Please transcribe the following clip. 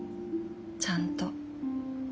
ちゃんと。